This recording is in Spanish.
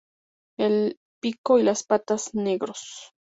El pico y las patas negros.